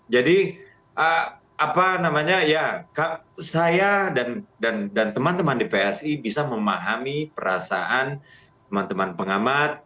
jadi apa namanya ya saya dan teman teman di psi bisa memahami perasaan teman teman pengamat